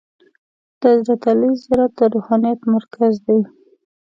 د حضرت علي زیارت د روحانیت مرکز دی.